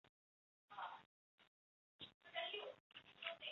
所属事务所为奥斯卡传播。